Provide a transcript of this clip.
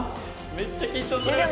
めっちゃ緊張する。